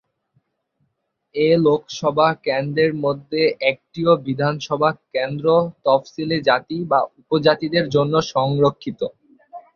এই লোকসভা কেন্দ্রের মধ্যে একটিও বিধানসভা কেন্দ্র তফসিলী জাতি বা উপজাতিদের জন্য সংরক্ষিত।